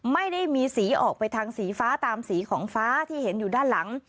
ไม่ได้มีสีออกไปทางสีฟ้าตามสีของฟ้าที่เห็นอยู่ด้านหลัง